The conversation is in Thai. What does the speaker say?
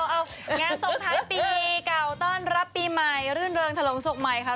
เอางานส่งท้ายปีเก่าต้อนรับปีใหม่รื่นเริงถลงศพใหม่ค่ะ